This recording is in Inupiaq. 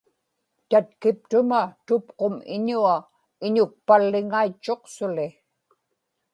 tatkiptuma tupqum iñua iñukpalliŋaitchuq suli